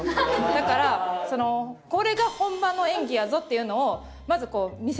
だからこれが本場の演技やぞっていうのをまず見せてあげる。